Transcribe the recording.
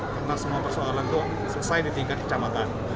karena semua persoalan itu selesai ditingkat kecamatan